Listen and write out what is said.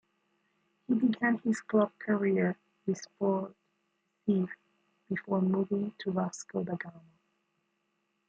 He began his club career with Sport Recife before moving to Vasco da Gama.